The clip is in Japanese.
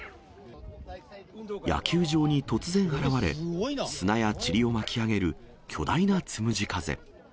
野球場に突然現れ、砂やちりを巻き上げる巨大なつむじ風。